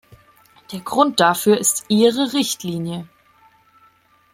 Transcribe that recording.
Der Grund dafür ist Ihre Richtlinie.